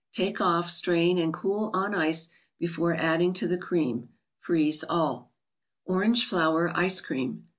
Take off, strain, and cool on ice before adding to the cream. Freeze all. Grange plotter Ice Cream.